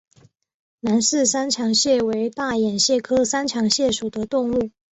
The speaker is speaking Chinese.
兰氏三强蟹为大眼蟹科三强蟹属的动物。